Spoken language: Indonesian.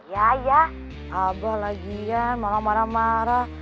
ya ya abah lagian malah marah marah